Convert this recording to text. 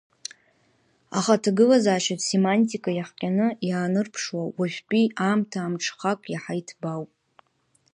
Аха аҭагылазаашьатә семантика иахҟьаны иаанарԥшуа уажәтәи аамҭа амҽхак иаҳа иҭбаауп…